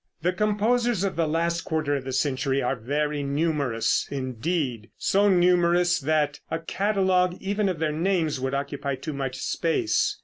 The composers of the last quarter of the century are very numerous; indeed, so numerous that a catalogue even of their names would occupy too much space.